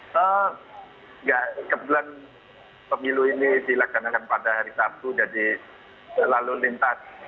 kebetulan pemilu ini dilaksanakan pada hari sabtu jadi lalu lintas